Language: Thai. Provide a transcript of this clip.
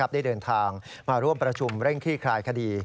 ได้เดินทางมาร่วมประชุมเร่งคลี่คลายคดี